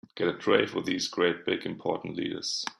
Get a tray for these great big important leaders.